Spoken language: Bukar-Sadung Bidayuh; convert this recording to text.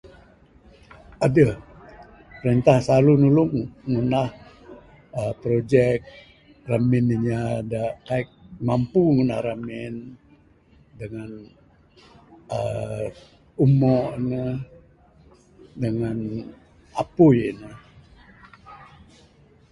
Adeh printah slalu nulung ngundah aaa projek remin inya dak kai mampu ngundah remin dengan aaa umon ne dengan apui ne.